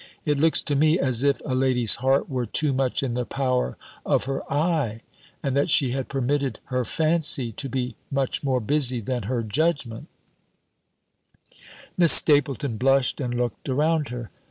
It looks to me, as if a lady's heart were too much in the power of her eye, and that she had permitted her fancy to be much more busy than her judgment." Miss Stapylton blushed, and looked around her.